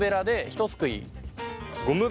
ひとすくい。